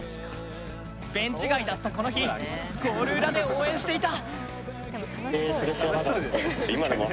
ベンチ外だったこの日、ゴール裏で応援していた。